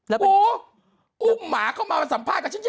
โอ้โหอุ้มหมาเข้ามาสัมภาษณ์กับฉันเย